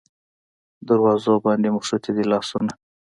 دروازو باندې موښتي دی لاسونه